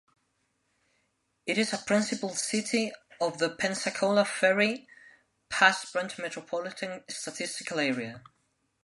It is a principal city of the Pensacola-Ferry Pass-Brent Metropolitan Statistical Area.